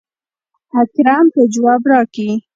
اکرم به جواب راکي.